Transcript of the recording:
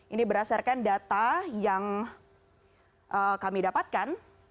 ini berdasarkan data yang kami dapatkan